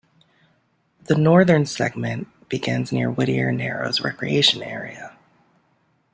The northern segment begins near Whittier Narrows Recreation Area.